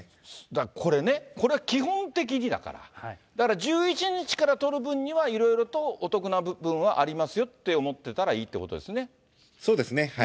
だから、これね、基本的にだから、だから１１日から取る分には、いろいろとお得な部分はありますよと思ってたらいいということでそうですね。